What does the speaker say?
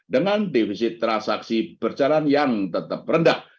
dengan defisit transaksi berjalan yang tetap rendah